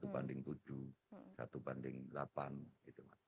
satu banding tujuh satu banding delapan gitu mas